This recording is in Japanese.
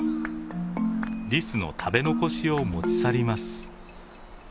リスの食べ残しを持ち去ります。